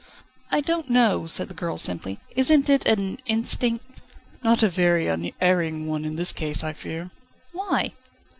"I don't know," said the girl simply. "Isn't it an instinct?" "Not a very unerring one in this case, I fear." "Why?"